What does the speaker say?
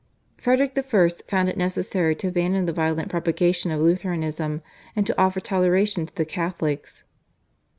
Frederick I. found it necessary to abandon the violent propagation of Lutheranism and to offer toleration to the Catholics.